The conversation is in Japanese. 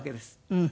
うん。